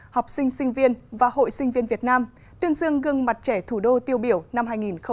học sinh sinh viên và hội sinh viên việt nam tuyên dương gương mặt trẻ thủ đô tiêu biểu năm hai nghìn một mươi chín